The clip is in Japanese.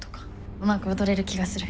うまく踊れる気がする。